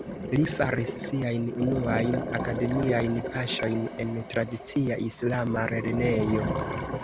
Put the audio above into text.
Li faris siajn unuajn akademiajn paŝojn en tradicia islama lernejo.